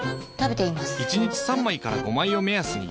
１日３枚から５枚を目安に。